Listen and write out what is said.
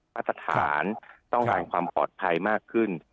มาตรฐานต้องการความปลอดภัยมากขึ้น